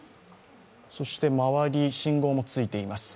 周り、信号もついています。